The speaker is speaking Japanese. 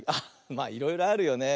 まあいろいろあるよね。